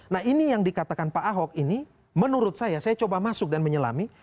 nah ini yang dikatakan pak ahok ini menurut saya saya coba masuk dan menyelami